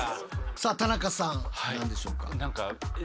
さあ田中さん何でしょうか？